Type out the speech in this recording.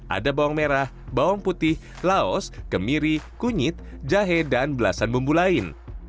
ada bawang merah bawang putih laos kemiri kunyit jahe dan belasan bumbu lain